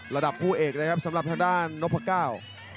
ระดับผู้เอกนะครับสำหรับทางด้านนพก้าว